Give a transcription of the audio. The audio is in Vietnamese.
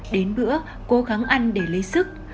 đến bữa cố gắng ăn để lấy sức